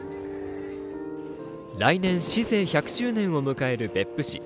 来年、市制１００周年を迎える別府市。